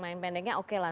main pendeknya oke lah